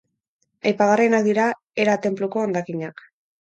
Aipagarriak dira Hera tenpluko hondakinak.